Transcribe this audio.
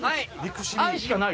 愛しかない？